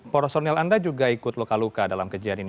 personel anda juga ikut luka luka dalam kejadian ini